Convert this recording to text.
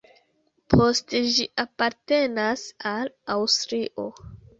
Poste ĝi apartenas al Aŭstrio.